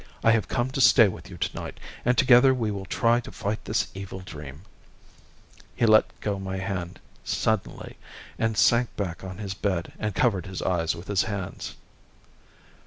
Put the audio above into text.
I have come to stay with you tonight, and together we will try to fight this evil dream." He let go my hand suddenly, and sank back on his bed and covered his eyes with his hands.